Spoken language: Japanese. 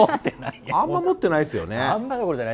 あんま持ってないっすよね。